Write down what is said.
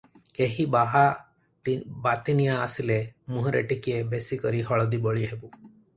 କେହି ବାହା ବାତିନିଆ ଆସିଲେ ମୁହଁରେ ଟିକିଏ ବେଶି କରି ହଳଦୀ ବୋଳି ହେବୁ ।